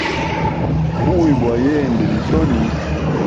Buya bwa yende ni soni.